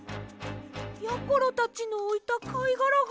やころたちのおいたかいがらが。